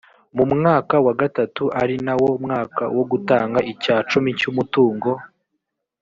mu mwaka wa gatatu, ari na wo mwaka wo gutanga icya cumi cy’umutungo,